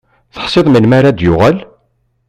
Teḥṣiḍ melmi ara d-yuɣal?